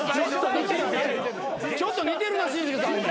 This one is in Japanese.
ちょっと似てるな紳助さん。